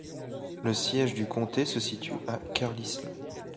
Le siège du comté se situe à Carlisle.